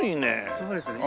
すごいですよね。